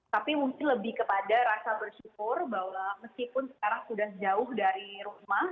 tapi mungkin lebih kepada rasa bersyukur bahwa meskipun sekarang sudah jauh dari rumah